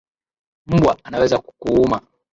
Mbwa anaweza kukuuma